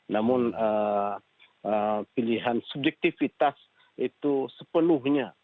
namun pilihan subjektivitas itu sepenuhnya